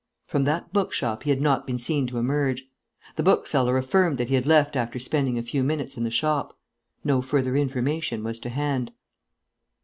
From that bookshop he had not been seen to emerge. The bookseller affirmed that he had left after spending a few minutes in the shop. No further information was to hand.